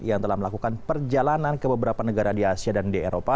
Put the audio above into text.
yang telah melakukan perjalanan ke beberapa negara di asia dan di eropa